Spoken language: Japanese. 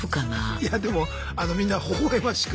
いやでもみんなほほ笑ましく